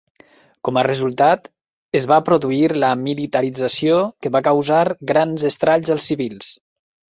Com a resultat, es va produir la militarització, que va causar grans estralls als civils.